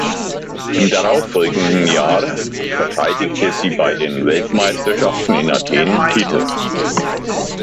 Im darauf folgenden Jahr verteidigte sie bei den Weltmeisterschaften in Athen Titel.